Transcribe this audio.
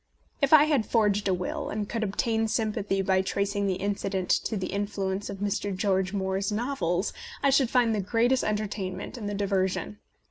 If I had forged a will, and could obtain sympathy by tracing the incident to the in fluence of Mr. George Moore's novels, I should find the greatest entertainment in the diversion.